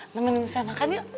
temenin saya makan yuk